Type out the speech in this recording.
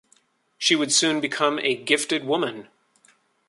She would soon become a gifted woman.